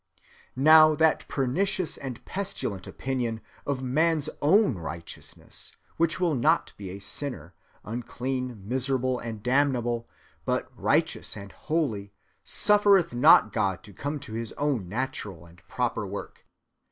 Now that pernicious and pestilent opinion of man's own righteousness, which will not be a sinner, unclean, miserable, and damnable, but righteous and holy, suffereth not God to come to his own natural and proper work.